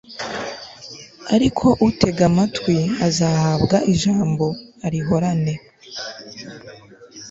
ariko utega amatwi, azahabwa ijambo arihorane